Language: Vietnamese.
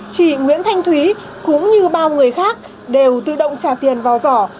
chị nguyễn thanh thúy cũng như bao người khác đều tự động trả tiền vào giỏ